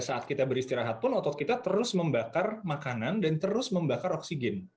setelah beristirahat pun otot kita terus membakar makanan dan terus membakar oksigen